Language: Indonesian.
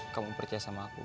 kamu percaya sama aku